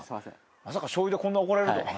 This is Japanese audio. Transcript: まさかしょうゆでこんな怒られるとはな。